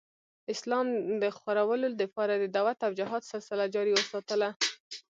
د اسلام خورلو دپاره د دعوت او جهاد سلسله جاري اوساتله